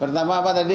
pertama apa tadi